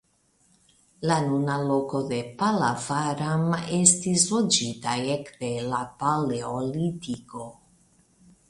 La nuna loko de Pallavaram estis loĝita ekde la paleolitiko.